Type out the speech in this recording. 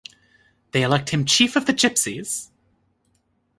They elect him chief of the Gypsies.